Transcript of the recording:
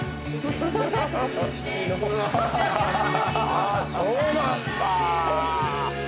ああそうなんだ。